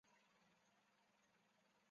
义坛县是越南乂安省下辖的一个县。